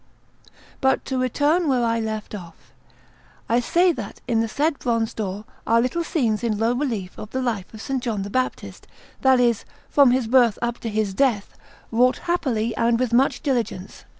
But to return to where I left off: I say that in the said bronze door are little scenes in low relief of the life of S. John the Baptist, that is, from his birth up to his death, wrought happily and with much diligence.